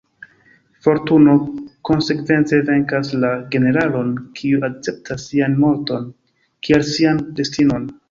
Fortuno konsekvence venkas la generalon, kiu akceptas sian morton kiel sian destinon"".